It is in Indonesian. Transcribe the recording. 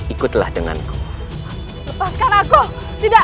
ikutlah denganku ikuti saya terima kasih kediaan masa ini aku suami bells selamat tinggal